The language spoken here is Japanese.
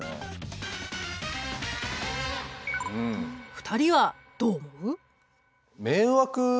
２人はどう思う？